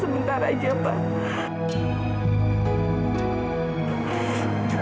sebentar aja pak